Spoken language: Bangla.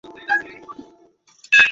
ভজিরার্ড, তোমার প্ল্যান কী?